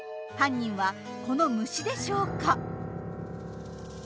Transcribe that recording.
犯人はこの虫でしょうか？